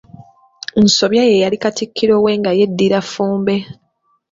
Nsobya ye yali Katikkiro we, nga yeddira Ffumbe.